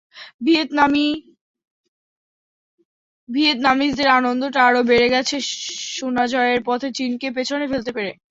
ভিয়েতনামিজদের আনন্দটা আরও বেড়ে গেছে সোনা জয়ের পথে চীনকে পেছনে ফেলতে পেরে।